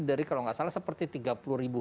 dari kalau nggak salah seperti tiga puluh ribu